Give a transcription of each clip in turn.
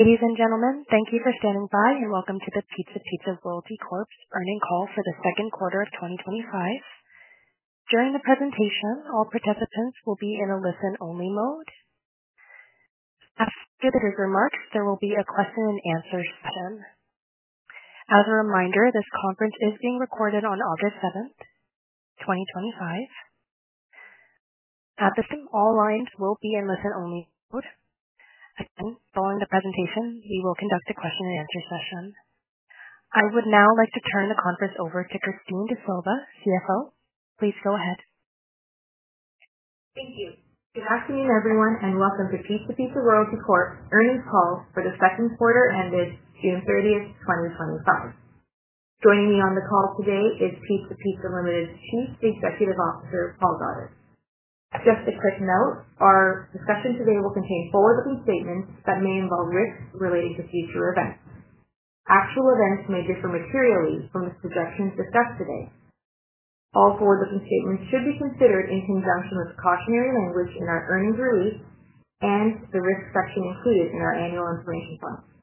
Ladies and gentlemen, thank you for standing by and welcome to the Pizza Pizza Royalty Corp's Earnings Call for the Second Quarter of 2025. During the presentation, all participants will be in a listen-only mode. After the remarks, there will be a question and answer session. As a reminder, this conference is being recorded on August 7th, 2025. At the same time, all lines will be in listen-only mode. Following the presentation, we will conduct a question and answer session. I would now like to turn the conference over to Christine D'Sylva, CFO. Please go ahead. Thank you. Good afternoon, everyone, and welcome to Pizza Pizza Royalty Corp.'s earnings call for the second quarter ended June 30th, 2025. Joining me on the call today is Pizza Pizza Limited's Chief Executive Officer, Paul Goddard. Just a quick note, our discussion today will contain forward-looking statements that may involve risks relating to future events. Actual events may differ materially from the projections discussed today. All forward-looking statements should be considered in conjunction with cautionary language in our earnings release and the risk section included in our annual information documents.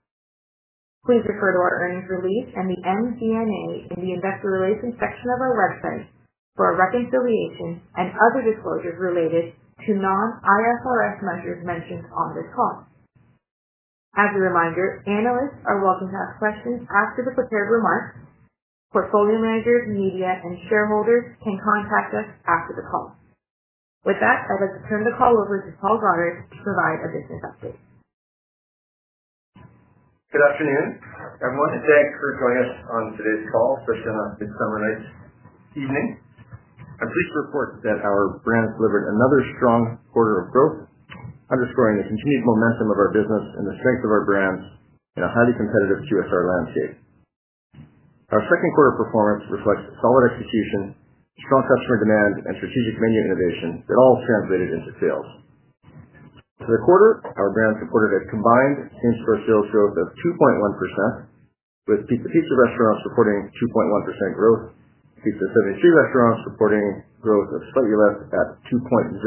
Please refer to our earnings release and the MD&A in the Investor Relations section of our website for reconciliation and other disclosures related to non-IFRS measures mentioned on this call. As a reminder, analysts are welcome to ask questions after the prepared remarks. Portfolio managers, media, and shareholders can contact us after the call. With that, I'd like to turn the call over to Paul Goddard to provide a business update. Good afternoon, everyone, and thanks for joining us on today's call, especially on a good summer night evening. I'm pleased to report that our brand delivered another strong quarter of growth, underscoring the continued momentum of our business and the strength of our brand in a highly competitive QSR landscape. Our second quarter performance reflects solid execution, strong customer demand, and strategic revenue innovation that all translated into sales. For the quarter, our brand reported a combined in-store sales growth of 2.1%, with Pizza Pizza restaurants reporting 2.1% growth, Pizza 73 restaurants reporting growth of slightly less at 2.0%.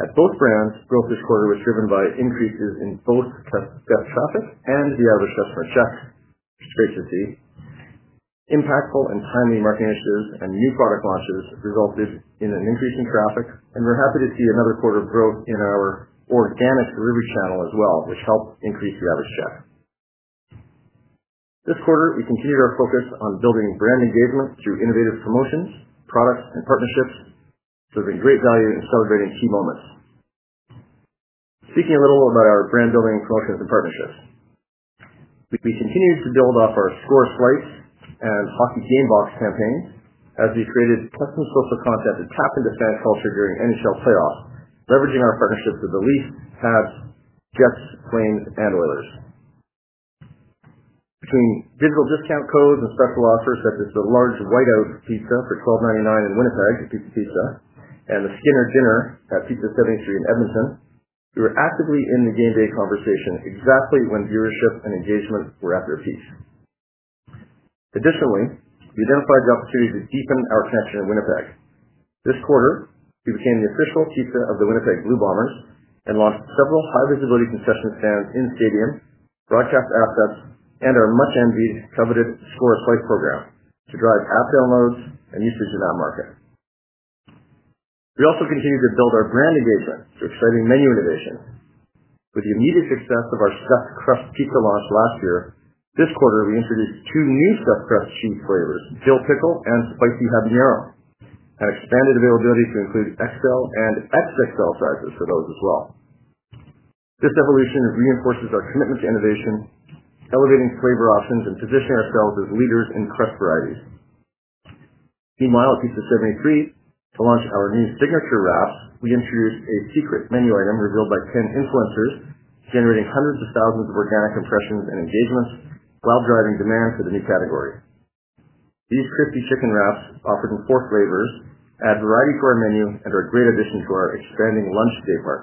At both brands, growth this quarter was driven by increases in both cash traffic and the average customer check frequency. Impactful and timely marketing initiatives and new product launches resulted in an increase in traffic, and we're happy to see another quarter growth in our organic delivery channel as well, which helped increase the average check. This quarter, we continued our focus on building brand engagement through innovative promotions, products, and partnerships, delivering great value and celebrating key moments. Speaking a little about our brand-building promotions and partnerships, we continued to build off our Score a Slice and hockey game box campaigns as we created custom social content to tap into Spanish culture during NHL playoff, leveraging our partnerships with the Leafs, Caps, Jets, Flames, and Oilers. Between digital discount codes and special offers, such as the large White Out Pizza for 12.99 in Winnipeg at Pizza Pizza and the Skinner Dinner at Pizza 73 in Edmonton, we were actively in the game-day conversations exactly when viewership and engagement were at their peak. Additionally, we identified the opportunity to deepen our connection in Winnipeg. This quarter, we became the official pizza of the Winnipeg Blue Bombers and launched several high-visibility concession stands in stadiums, broadcast assets, and our [much-envied], coveted [Score Quite] program to drive app downloads and usage in that market. We also continued to build our brand engagement through exciting menu innovation. With the immediate success of our Stuffed Crust Pizza launch last year, this quarter we introduced two new stuffed crust cheese flavors, Dill Pickle and Spicy Habanero, and expanded availability to include XL and XXL sizes for those as well. This evolution reinforces our commitment to innovation, elevating flavor options and positioning ourselves as leaders in crust varieties. Meanwhile, at Pizza 73, to launch our new signature wraps, we introduced a secret menu item revealed by 10 influencers, generating hundreds of thousands of organic impressions and engagement, while driving demand for the new category. These crispy chicken wraps, offered in four flavors, add variety to our menu and are a great addition to our expanding lunch save mark.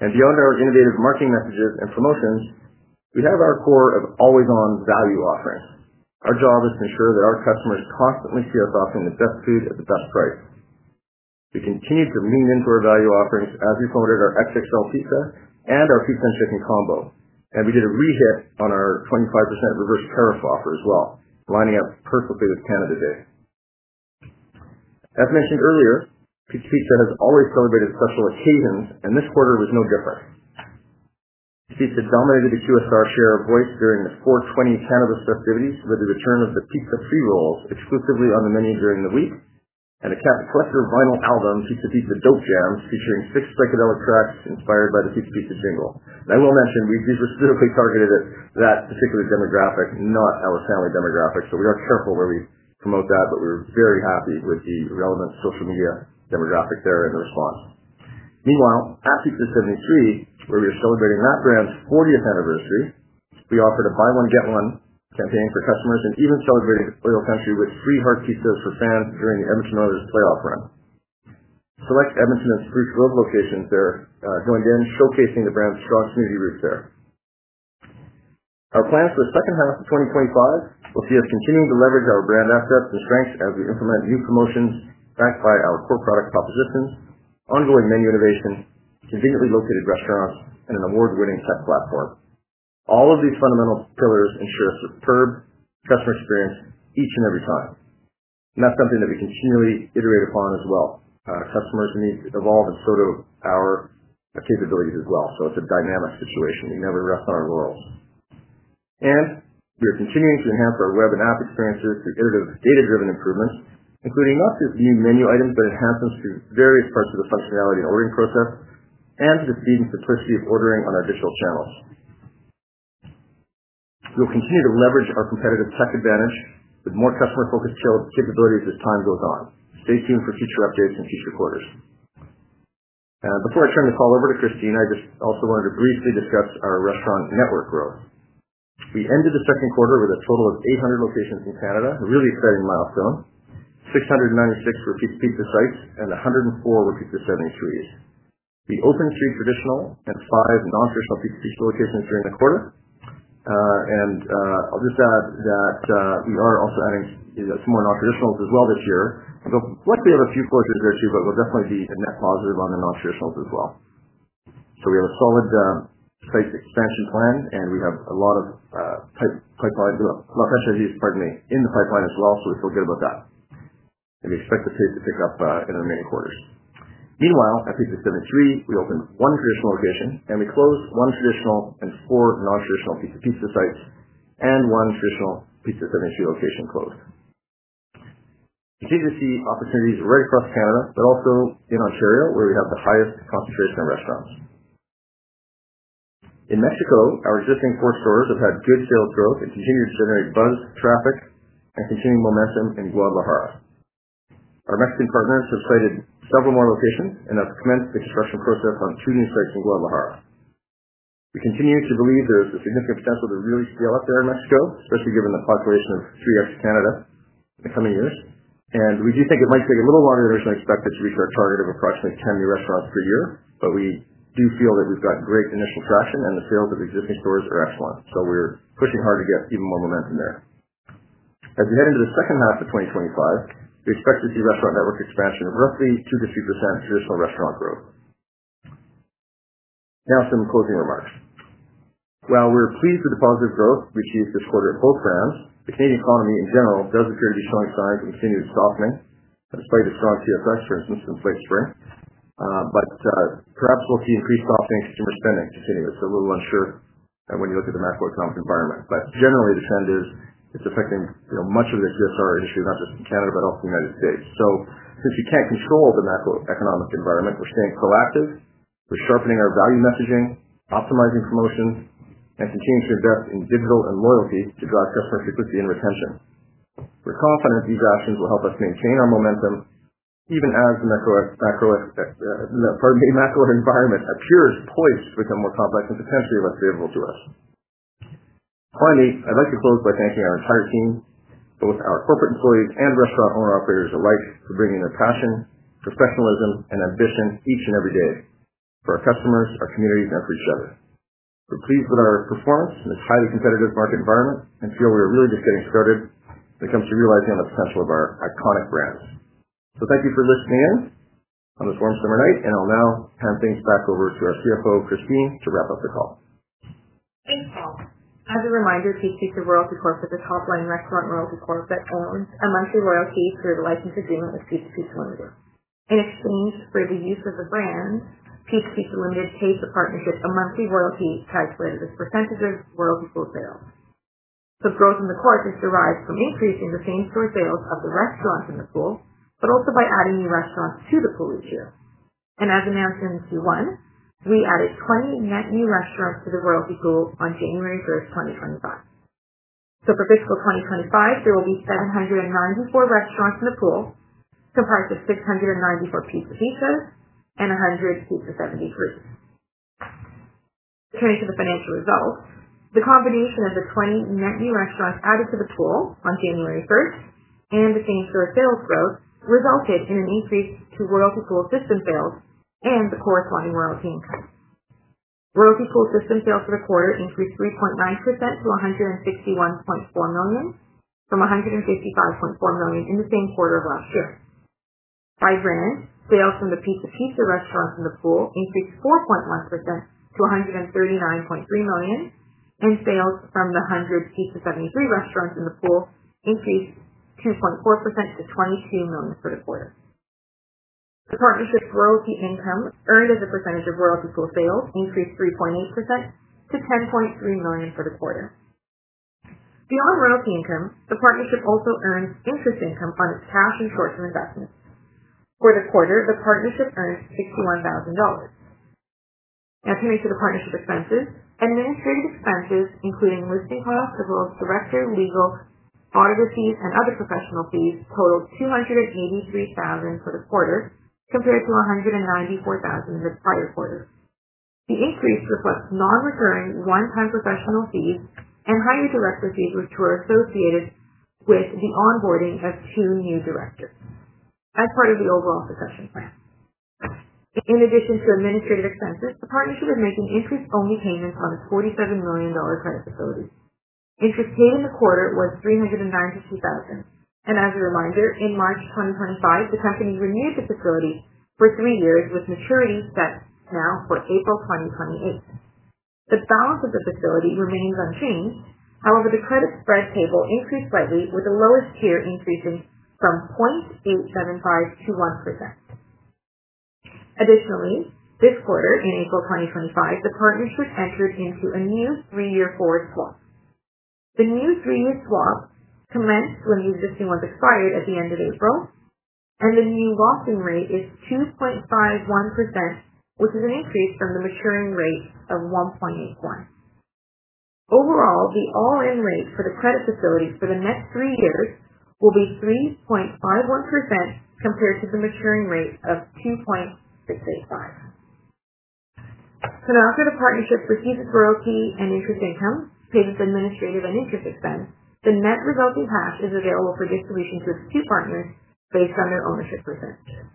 Beyond our innovative marketing messages and promotions, we have our core of always-on value offerings. Our job is to ensure that our customers constantly see us offering the best food at the best price. We continued to lean into our value offerings as we promoted our XXL pizza and our pizza and chicken combo, and we did a re-hit on our 25% reverse tariff offer as well, lining up for [personal favorites] Canada Day. As mentioned earlier, Pizza Pizza has always celebrated special occasions, and this quarter was no different. Pizza Pizza dominated the QSR share of voice during the 4/20 Canada festivities with the return of the Pizza Free Rolls, exclusively on the menu during the week, and a catch-collector vinyl album, Pizza Pizza Dope Jams, featuring six psychedelic tracks inspired by the six-piece jingle. I will mention we specifically targeted that particular demographic, not our family demographic, so we are careful where we promote that, but we were very happy with the relevant social media demographic there in response. Meanwhile, at Pizza 73, where we are celebrating that brand's 40th anniversary, we offered a buy-one-get-one campaign for customers and even celebrated Oilers Country with free heart pizzas for fans during the Edmonton Oilers playoff run. Select Edmonton's three closed locations there joined in, showcasing the brand's strong community reshare. Our plans for the second half of 2025 will see us continuing to leverage our brand assets and strengths as we implement new promotions backed by our core product proposition, ongoing menu innovation, conveniently located restaurants, and an award-winning tech platform. All of these fundamental pillars ensure a superb customer experience each and every time. That is something that we continually iterate upon as well. Our customers need to evolve and pseudo our capabilities as well, so it's a dynamic situation. We never rest on [a roll]. We are continuing to enhance our web and app experiences through iterative data-driven improvements, including not just new menu items, but enhancements to various parts of the functionality and ordering process and to the speed and simplicity of ordering on our digital channels. We will continue to leverage our competitive tech advantage with more customer-focused capabilities as time goes on. Stay tuned for future updates and future quarters. Before I turn the call over to Christine D'Sylva, I just also wanted to briefly discuss our restaurant network growth. We ended the second quarter with a total of 800 locations in Canada, a really exciting milestone, 696 for Pizza Pizza sites, and 104 for Pizza 73. We opened three traditional and five non-traditional Pizza Pizza locations during the quarter. I will just add that we are also adding some more non-traditionals as well this year. the non-traditionals as well. We have a solid, price expansion plan, and we have a lot of pipeline in the pipeline as well, so we feel good about that. We expect the pace to pick up in our main quarter. Meanwhile, at Pizza 73, we opened one traditional location, and we closed one traditional and four non-traditional Pizza Pizza sites, and one traditional Pizza 73 location closed. We did receive opportunities right across Canada, but also in Ontario, where we have the highest concentration of restaurants. In Mexico, our existing four stores have had good sales growth and continue to generate buzz, traffic, and continuing momentum in Guadalajara. Our Mexican partners have created several more locations and have commenced the construction process on previous sites in Guadalajara. We continue to believe there is significant potential to really scale up there in Mexico, especially given the cooperation of [3X] Canada in the coming years. We do think it might take a little longer than is expected to reach our target of approximately 10 new restaurants per year, but we do feel that we've got great initial traction and the sales of existing stores are excellent. We are pushing hard to get even more momentum there. As we head into the second half of 2025, we expect to see restaurant network expansion of roughly 2%-3% traditional restaurant growth. Now, some closing remarks. While we're pleased with the positive growth we achieved this quarter at both brands, the Canadian economy in general does appear to be showing signs of continued softening. That's probably the strong CFS, for instance, [inflationary]. Perhaps we'll see increased softening in consumer spending continually. It's a little unsure when you look at the macro-economic environment. Generally, the trend is it's affecting, you know, much of the QSR issue, not just in Canada, but also in the United States. Since you can't control the macro-economic environment, we're staying proactive. We're sharpening our value messaging, optimizing promotions, and continuing to invest in digital and loyalty to drive customer frequency and retention. We're confident these actions will help us maintain our momentum even as the macro environment appears poised with a more complex and potentially less favorable to us. Finally, I'd like to close by thanking our entire team, both our corporate employees and restaurant owner-operators alike, for bringing their passion, professionalism, and ambition each and every day for our customers, our communities, and for each other. We're pleased with our performance in this highly competitive market environment and feel we are really just getting started when it comes to realizing the potential of our iconic brand. Thank you for lifting hands on this warm summer night, and I'll now hand things back over to our CFO, Christine D'Sylva, to wrap up the call. As a reminder, Pizza Pizza Royalty Corp is a top-line restaurant royalty corp that owns a monthly royalty through the license agreement with Pizza Pizza Limited. In exchange for the use of the brand, Pizza Pizza Limited pays the partnership a monthly royalty taxed by the percentage of royalty pool sales. The growth in the corp is derived from increasing the same-store sales of the restaurants in the pool, but also by adding new restaurants to the pool each year. As announced in Q1, we added 20 net new restaurants to the royalty pool on January 1st, 2025. For fiscal 2025, there will be 794 restaurants in the pool, comprised of 694 Pizza Pizza locations and 100 Pizza 73. Turning to the financial results, the combination of the 20 net new restaurants added to the pool on January 1st and the same-store sales growth resulted in an increase to royalty pool system sales and the corresponding royalty income. Royalty pool system sales for the quarter increased 3.9% to 161.4 million from 155.4 million in the same quarter of last year. By brand, sales from the Pizza Pizza restaurants in the pool increased 4.1% to CAD 139.3 million, and sales from the 100 Pizza 73 restaurants in the pool increased 2.4% to CAD 22 million for the quarter. The partnership's royalty income earned as a percentage of royalty pool sales increased 3.8% to 10.3 million for the quarter. Beyond royalty income, the partnership also earns interest income on its cash and short-term investments. For the quarter, the partnership earned 61,000 dollars. Adding to the partnership expenses, administrative expenses, including listing costs, as well as director, legal, auditor fees, and other professional fees, totaled 283,000 for the quarter, compared to 194,000 for the prior quarter. The increase reflects non-recurring one-time professional fees and hiring director fees, which were associated with the onboarding of two new directors as part of the overall succession plan. In addition to administrative expenses, the partnership is making interest-only payments on its 47 million dollar credit facility. Interest paid in the quarter was 392,000. As a reminder, in March 2025, the company renewed the facility for three years, with maturity set now for April 2028. The balance of the facility remains unchanged. However, the credit spread table increased slightly, with the lowest tier increasing from 0.875% to 1%. Additionally, this quarter, in April 2025, the partnership entered into a new three-year forward swap. The new three-year swap commenced when the existing one expired at the end of April, and the new lock-in rate is 2.51%, which is an increase from the maturing rate of 1.81%. Overall, the all-in rate for the credit facility for the next three years will be 3.51% compared to the maturing rate of 2.685%. Now, after the partnership receives its royalty and interest income, pays its administrative and interest expense, the net resulting cash is available for distribution to its two partners based on their ownership percentages.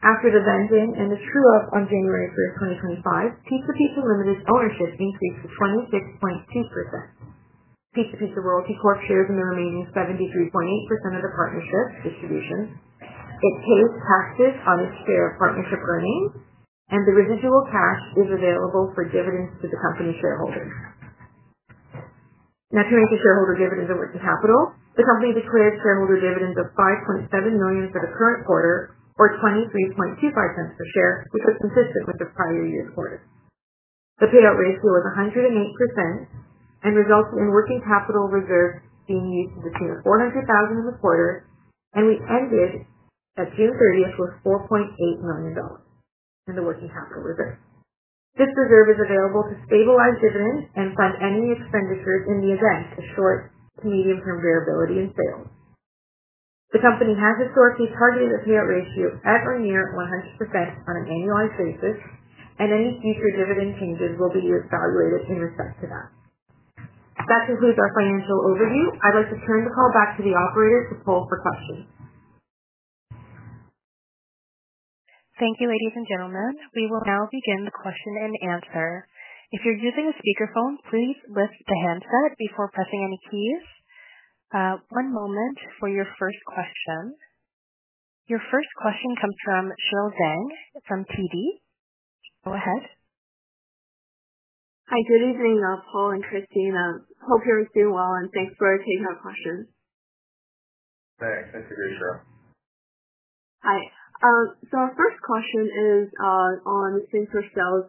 After the lend-in and the true up on January 1st, 2025, Pizza Pizza Limited's ownership increased to 26.2%. Pizza Pizza Royalty Corp shares in the remaining 73.8% of the partnership distribution. It pays taxes on its share of partnership earnings, and the residual cash is available for dividends to the company's shareholders. Now, turning to shareholder dividends and working capital, the company declared shareholder dividends of 5.7 million for the current quarter, or 0.2325 per share, which was consistent with the prior year's quarter. The payout rate was 108%, resulting in working capital reserves being used between 400,000 in the quarter, and the ending risk at June 30th was 4.8 million dollars in the working capital reserve. This reserve is available to stabilize dividends and fund any expenditures in the event of short to medium-term variability in sales. The company has historically targeted a payout ratio of or near 100% on an annualized basis, and any future dividend changes will be evaluated in respect to that. That concludes our financial overview. I'd like to turn the call back to the operators to poll for questions. Thank you, ladies and gentlemen. We will now begin the question and answer. If you're using a speakerphone, please lift the handset before pressing any keys. One moment for your first question. Your first question comes from Cheryl Zhang from TD. Go ahead. Hi, good evening, Paul and Christine. Hope you're all doing well, and thanks for taking our questions. All right, thanks for getting through. Hi. Our first question is on the same-store sales.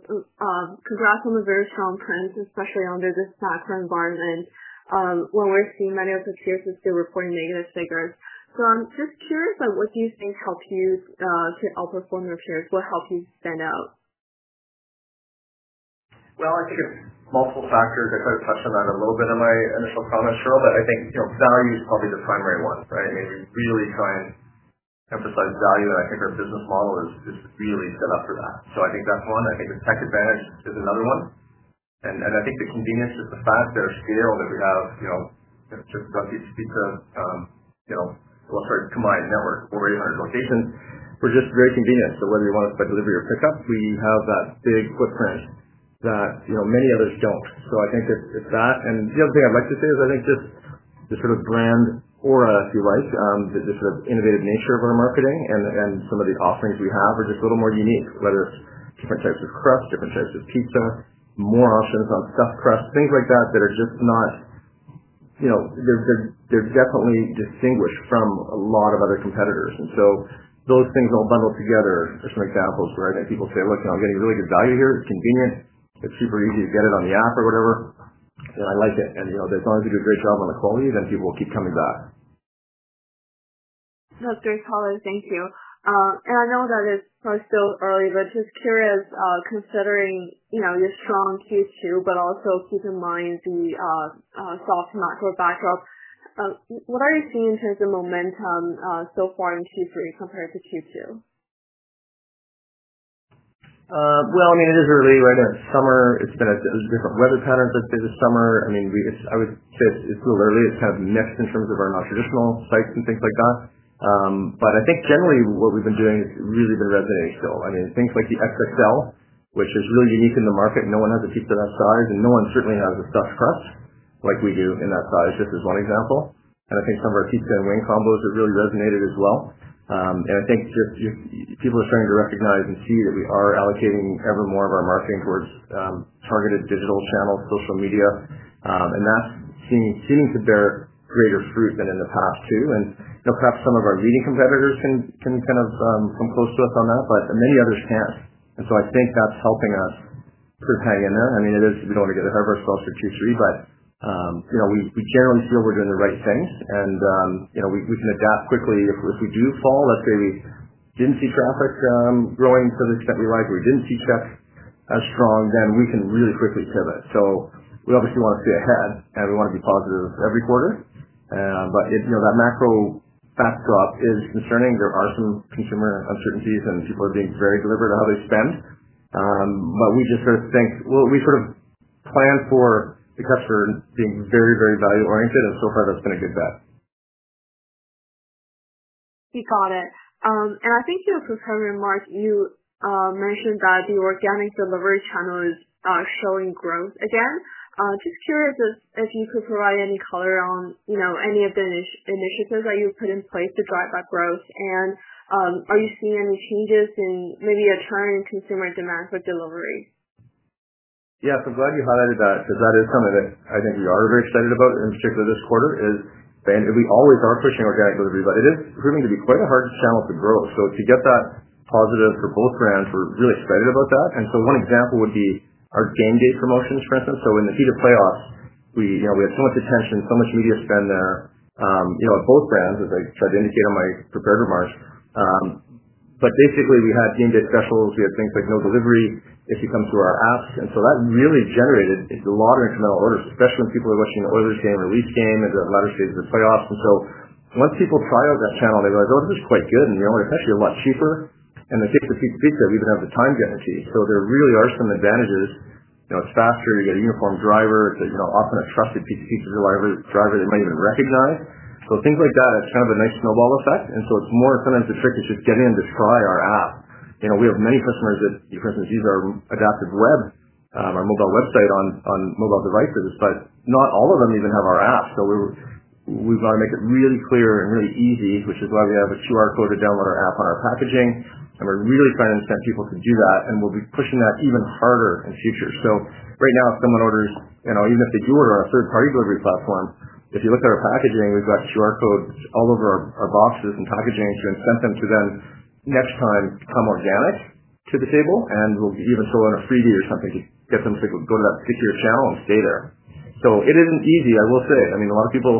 Congrats on the very strong trends, especially under this macro-economic environment. When we're seeing many of the shares still reporting negative figures, I'm just curious about what you think helped you to outperform your peers or helped you stand out? I think it's multiple factors. I kind of touched on that a little bit in my initial comments, Cheryl, but I think, you know, value is probably the primary one, right? I mean, we really try and emphasize value, and I think our business model is really set up for that. I think that's one. I think the tech advantage is another one. I think the convenience is the fact there's scale that we have, you know, just once you speak to, you know, a combined network, over 800 locations, we're just very convenient. Whether you want it by delivery or pickup, we have that big footprint that, you know, many others don't. I think it's that. The other thing I'd like to say is I think just the sort of brand aura, if you like, the sort of innovative nature of our marketing and some of the offerings we have are just a little more unique, whether different types of crust, different types of pizza, more often it's on stuffed crust, things like that that are just not, you know, they're definitely distinguished from a lot of other competitors. Those things all bundled together are some examples, right? People say, "Look, you know, I'm getting really good value here. It's convenient. It's super easy to get it on the app or whatever." I like it. You know, as long as we do a great job on the qualities, then people will keep coming back. That's great, Paul. Thank you. I know that it's probably still early, but just curious, considering, you know, your strong Q2, but also keep in mind the soft macro backup. What are you seeing in terms of momentum so far in Q3 compared to Q2? It is early, right? In the summer, it's going to have different weather patterns through the summer. I would say it's a little early. It's kind of mixed in terms of our non-traditional sites and things like that. I think generally what we've been doing has really been resonating. Things like the XXL, which is really unique in the market. No one has a pizza that size, and no one certainly has a stuffed crust like we do in that size, just as one example. I think some of our pizza and wing combos have really resonated as well. I think people are starting to recognize and see that we are allocating ever more of our marketing towards targeted digital channels, social media. That seems to bear greater fruit than in the past too. Perhaps some of our leading competitors can kind of come close to us on that, but many others can't. I think that's helping us sort of hang in there. We don't want to get ahead of ourselves to Q3, but we generally feel we're doing the right things. We can adapt quickly if we do fall. Let's say we didn't see traffic growing to the extent we liked or we didn't see stats as strong, then we can really quickly pivot. We obviously want to stay ahead, and we want to be positive every quarter. That macro-economic uncertainty is concerning. There are some consumer uncertainties, and people are being very deliberate in how they spend. We just sort of think, we sort of plan for because we're being very, very value-oriented. So far, that's been a good bet. You got it. I think you're preparing remarks. You mentioned that the organic delivery channels are showing growth again. Just curious if you could provide any color on any of the indicators that you put in place to drive that growth. Are you seeing any changes in maybe a trend in consumer demand for delivery? Yeah, so I'm glad you highlighted that because that is something that I think we are very excited about, in particular this quarter. We always are pushing organic delivery, but it is proving to be quite a hard channel to grow. To get that positive for both brands, we're really excited about that. One example would be our game day promotions, for instance. In the heat of playoff, we had so much attention, so much media spend there at both brands, as I tried to indicate on my prepared remarks. Basically, you had game day specials. You had things like no delivery if you come through our app. That really generated a lot of incremental orders, especially when people are looking to order the same release game in the latter stages of the playoffs. Once people trialed that channel, they realized, oh, this is quite good. You know what? It's actually a lot cheaper. Pizza Pizza even has the time guarantee. There really are some advantages. It's faster. You get a uniform driver. It's often a trusted Pizza Pizza driver they might even recognize. Things like that, it's kind of a nice snowball effect. It's more sometimes a trick to just get in to try our app. We have many customers that, for instance, use our adaptive web, our mobile website on mobile devices, but not all of them even have our app. We've got to make it really clear and really easy, which is why we have a QR code to download our app on our packaging. We're really trying to get people to do that. We'll be pushing that even harder in the future. Right now, if someone orders, even if they do order on a third-party delivery platform, if you look at our packaging, we've got QR codes all over our boxes and packaging to incent them to then next time to come organic to the table. We'll even throw in a freebie or something to get them to go to that particular channel and stay there. It isn't easy, I will say it. A lot of people,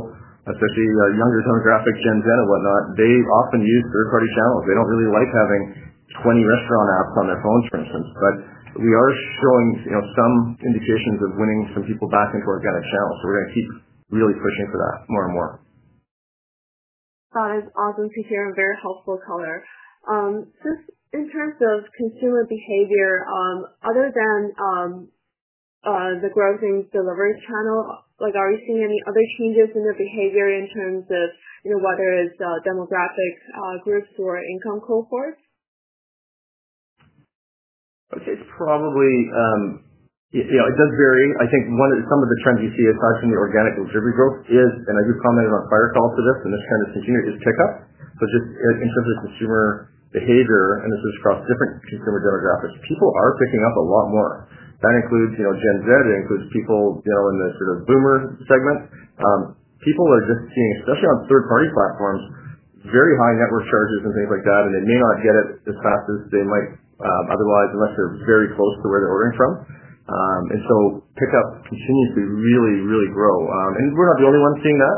especially our younger demographics, Gen Z and whatnot, they often use third-party channels. They don't really like having 20 restaurant apps on their phones, for instance. We are showing some indications of winning some people back into organic channels. We're going to keep really pushing for that more and more. That is awesome to hear and very helpful color. Just in terms of consumer behavior, other than the growth in delivery channel, are you seeing any other changes in the behavior in terms of whether it's the demographics, groups, or income cohorts? I would say it's probably, you know, it does vary. I think one of some of the trends you see aside from the organic delivery growth is, and I just commented on a prior call for this, and the trend has continued, is pickups. Just in terms of consumer behavior, and this is across different consumer demographics, people are picking up a lot more. That includes, you know, Gen Z. It includes people, you know, in the sort of boomer segment. People are just seeing, especially on third-party platforms, very high network charges and things like that. They may not get it if they practiced it otherwise, unless they're very close to where they're ordering from. Pickups continue to really, really grow. We're not the only ones seeing that.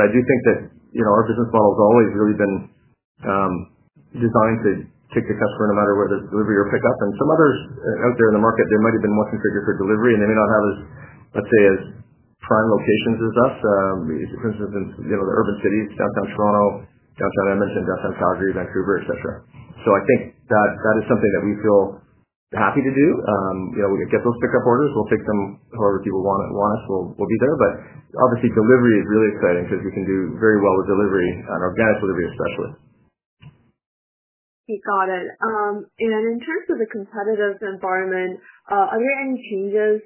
I do think that, you know, our business model has always really been designed to take the customer no matter whether it's delivery or pickup. Some others out there in the market, there might have been more things they do for delivery, and they may not have as, let's say, as prime locations as us. For instance, in, you know, the urban cities, downtown Toronto, downtown Edmonton, downtown Calgary, Vancouver, etc. I think that that is something that we feel happy to do. You know, we get those pickup orders. We'll take them however people want it and want us. We'll be there. Obviously, delivery is really exciting because we can do very well with delivery and organic delivery, especially. You got it. In terms of the competitive environment, are there any changes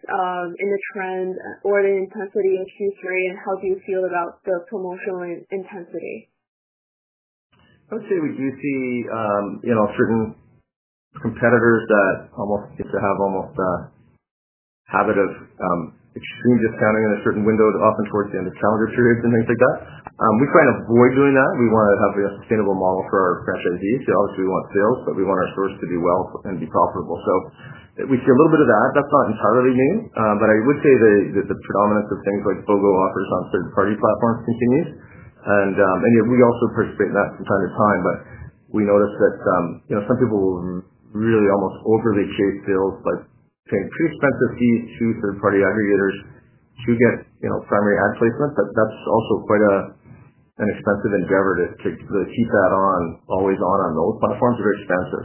in the trend or the intensity of Q3? How do you feel about the promotional intensity? I would say we do see certain competitors that almost, if they have almost a habit of extreme discounting in a certain window, often towards the end of calendar periods and things like that. We try and avoid doing that. We want to have a sustainable model for our franchisees. Obviously, we want sales, but we want our stores to do well and be profitable. We see a little bit of that. That's not entirely new. I would say that the predominance of things like BOGO offers on third-party platforms continues, and we also participate in that from time to time. We noticed that some people will really almost overly chase sales, but paying too expensive fees to third-party aggregators to get primary ad placement. That's also quite an expensive endeavor to keep that always on those platforms that are expensive.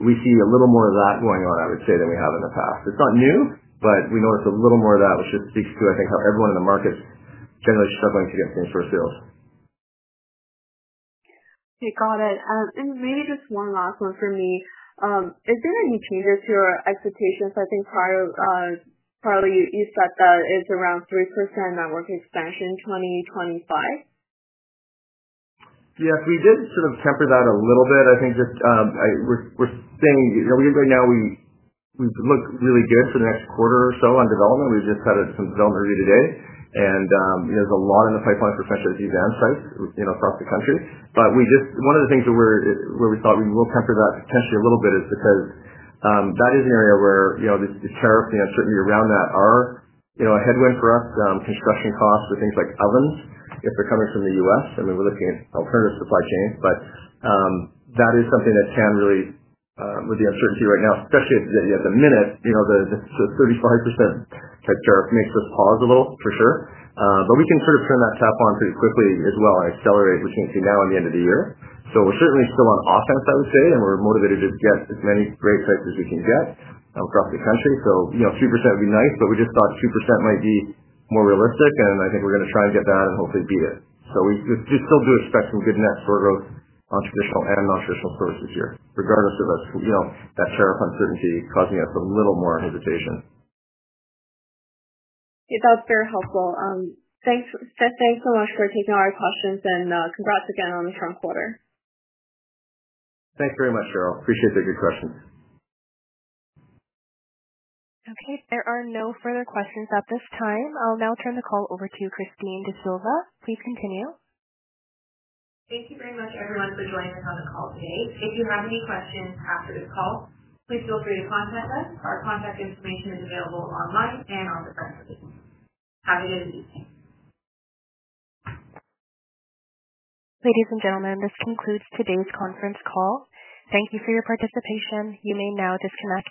We see a little more of that going on, I would say, than we have in the past. It's not new, but we noticed a little more of that, which just speaks to, I think, how everyone in the market generally is struggling to get things fulfilled. You got it. Maybe just one last one for me. Is there any changes to our expectations? I think prior, probably you said that it's around 3% network expansion in 2025. Yes, we did sort of tamper that a little bit. I think just, we're staying, you know, we can go now. We look really good for the next quarter or so on development. We just had some development review today, and there's a lot in the pipeline for sensitive event sites across the country. One of the things where we thought we will temper that potentially a little bit is because that is an area where the tariffs and uncertainty around that are a headwind for us, construction costs for things like ovens if they're coming from the U.S. We're looking at alternative supply chains, but that is something that can really, with the uncertainty right now, especially at the minute, you know, the 30%-40% type tariff makes us pause a little, for sure. We can sort of turn that tap on pretty quickly as well and accelerate, which we can see now in the end of the year. We're certainly still on offense, I would say, and we're motivated to just get as many great sites as we can get across the country. You know, 2% would be nice, but we just thought 3% might be more realistic, and I think we're going to try and get there and hopefully be there. We still do expect some good net for growth on traditional and non-traditional sources here, regardless of us, you know, that tariff uncertainty causing us a little more hesitation. That's very helpful. Thanks. Steph, thanks so much for taking our questions and congrats again on the current quarter. Thanks very much, Cheryl. Appreciate the good questions. Okay. There are no further questions at this time. I'll now turn the call over to Christine D'Sylva. Please continue. Thank you very much, everyone, for joining us on the call today. If you have any questions after this call, please feel free to contact us. Our contact information is available online and on the phone. Have a good one. Ladies and gentlemen, this concludes today's conference call. Thank you for your participation. You may now disconnect.